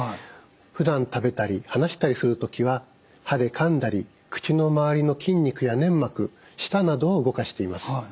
ふだん食べたり話したりする時は歯でかんだり口の周りの筋肉や粘膜舌などを動かしています。